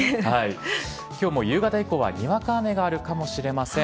今日も夕方以降はにわか雨があるかもしれません。